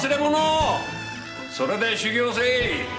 それで修業せい。